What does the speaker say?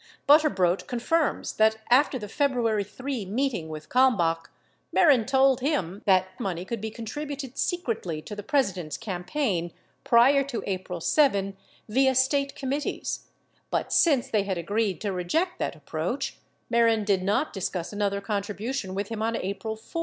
Butterbrodt confirms that after the February 3 meeting with Kalmbach, Mehren told him that money could be contributed secretly to the President's campaign prior to April 7 via State committees; but since they had agreed to reject that approach, Mehren did not dis cuss another contribution with him on April 4.